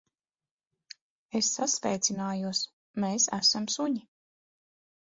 Es sasveicinājos. Mēs esam suņi.